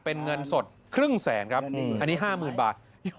เป็นเงินสดครึ่งแสนครับอันนี้ห้าหมื่นบาท